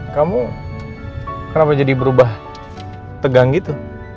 kamu kenapa jadi berubah tegang gitu